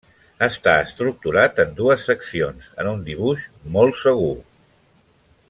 Està estructurat en dues seccions, en un dibuix molt segur.